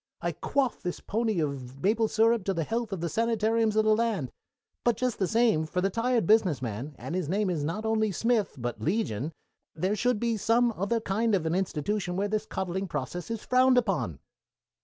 I quaff this pony of maple syrup to the health of the sanitariums of the land but just the same, for the tired business man, and his name is not only Smith, but Legion, there should be some other kind of an institution where this coddling process is frowned upon."